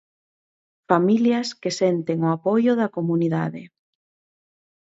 Familias que senten o apoio da comunidade.